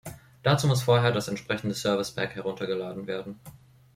Dazu muss vorher das entsprechende Service Pack heruntergeladen werden.